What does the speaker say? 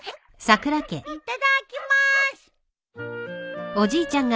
いただきまーす！